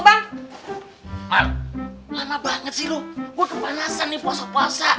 gua kepanasan nih puasa puasa